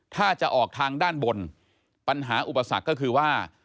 ถ้าจะออกทางด้านบนปัญหาอุปสรรคก็คือว่า